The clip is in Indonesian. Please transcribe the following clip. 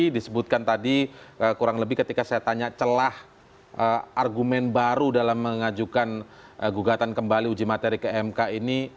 disebutkan tadi kurang lebih ketika saya tanya celah argumen baru dalam mengajukan gugatan kembali uji materi ke mk ini